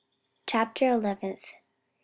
Chapter Eleventh.